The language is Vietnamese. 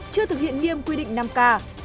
chưa thực hiện nghiêm quy định năm k